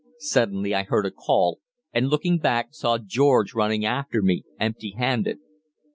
Suddenly I heard a call, and, looking back, saw George running after me, empty handed.